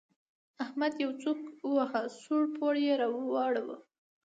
احمد يې يو سوک وواهه؛ سوړ پوړ يې راواړاوو.